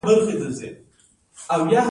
د غنمو پاکول باد ته اړتیا لري.